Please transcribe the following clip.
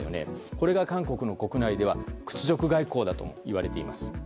これが韓国の国内では屈辱外交だともいわれています。